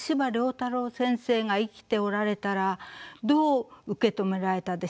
太郎先生が生きておられたらどう受け止められたでしょうか。